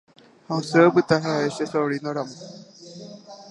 ha osẽ opyta ha'e che sobrino-ramo